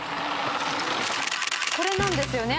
これなんですよね